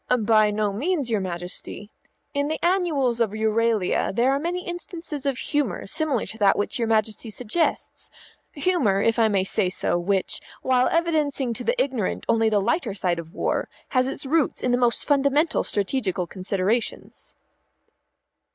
"By no means, your Majesty. In the annuals of Euralia there are many instances of humour similar to that which your Majesty suggests: humour, if I may say so, which, while evidencing to the ignorant only the lighter side of war, has its roots in the most fundamental strategical considerations."